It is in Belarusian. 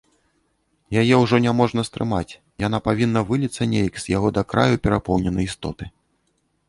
Яе ўжо няможна стрымаць, яна павінна выліцца неяк з яго да краю перапоўненай істоты.